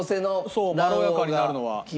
そうまろやかになるのは。